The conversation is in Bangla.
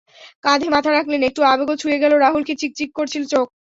কাঁধে মাথা রাখলেন, একটু আবেগও ছুঁয়ে গেল রাহুলকে, চিকচিক করছিল চোখ।